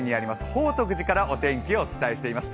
宝徳寺からお天気をお伝えしています。